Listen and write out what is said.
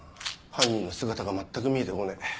犯人の姿が全く見えて来ねえ。